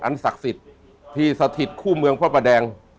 ศักดิ์สิทธิ์ที่สถิตคู่เมืองพระประแดง